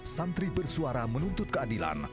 santri bersuara menuntut keadilan